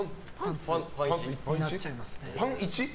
パン１？